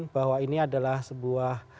bahwa ini adalah sebuah